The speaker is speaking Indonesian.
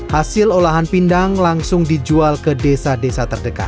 hasil olahan pindang langsung dijual ke desa desa terdekat